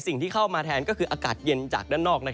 สิ่งที่เข้ามาแทนก็คืออากาศเย็นจากด้านนอก